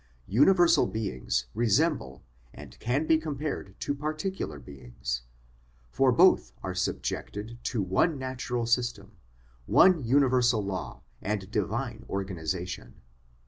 Universal beings resemble and can be compared to particular beings, for both are subjected to one natural system, one universal law and divine organisation.